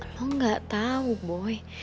lo gak tahu boy